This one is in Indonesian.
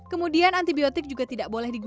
kemudian antibiotik juga tidak boleh digunakan